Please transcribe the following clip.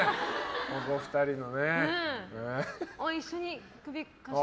ここ２人のね。